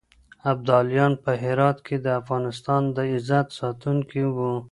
ابدالیان په هرات کې د افغانستان د عزت ساتونکي وو.